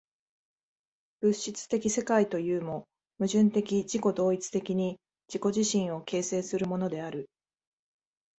物質的世界というも、矛盾的自己同一的に自己自身を形成するものである。